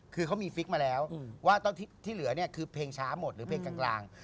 คือเขามีฟิกมาแล้วว่าที่เหลือเนี่ยคือเพลงช้าหมดหรือเพลงกลาง